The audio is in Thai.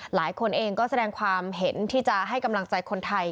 หลายคนเองก็แสดงความเห็นที่จะให้กำลังใจคนไทย